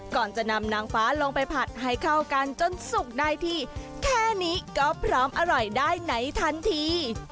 ก่อนจะนำนางฟ้าลงไปผัดให้เข้ากันจนสุกได้ที่แค่นี้ก็พร้อมอร่อยได้ไหนทันที